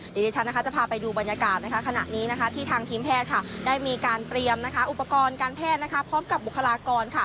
เดี๋ยวดิฉันนะคะจะพาไปดูบรรยากาศขณะนี้ที่ทางทีมแพทย์ได้มีการเตรียมอุปกรณ์การแพทย์พร้อมกับบุคลากร